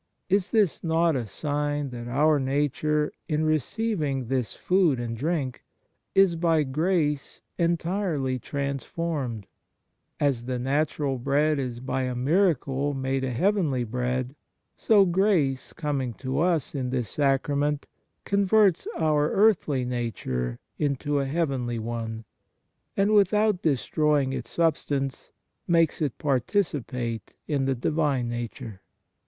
Is this not a sign that our nature, in receiving this food and drink, is by grace entirely trans formed ? As the natural bread is by a 62 ON THE SUBLIME UNION WITH GOD miracle made a heavenly Bread, so grace coming to us in this sacrament converts our earthly nature into a heavenly one, and without destroying its substance makes it participate in the Divine Nature.